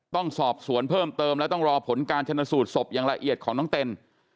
ต้องสอบสวนเพิ่มเติมและต้องรอผลการชนสูตรศพอย่างละเอียดของน้องเต็น